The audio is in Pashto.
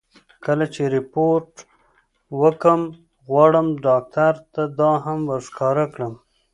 کله چې رېپورټ ورکوم، غواړم ډاکټر ته دا هم ور ښکاره کړم.